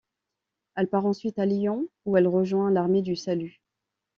Elle part ensuite à Lyon, où elle rejoint l'armée du Salut.